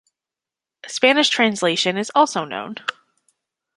A Spanish translation is also known.